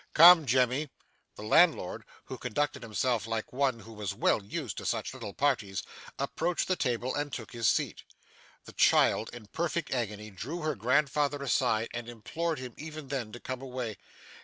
'Come, Jemmy.' The landlord, who conducted himself like one who was well used to such little parties, approached the table and took his seat. The child, in a perfect agony, drew her grandfather aside, and implored him, even then, to come away.